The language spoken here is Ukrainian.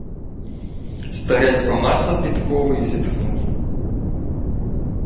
Старець помацав підкову й зітхнув: